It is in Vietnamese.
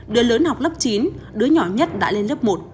đứa lớn học lớp chín đứa nhỏ nhất đã lên lớp một